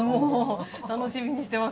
楽しみにしてます。